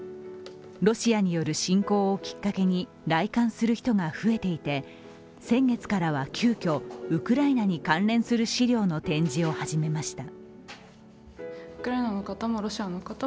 ロシアによる侵攻をきっかけに来館する人が増えていて先月からは急きょウクライナに関連する資料の展示を始めました。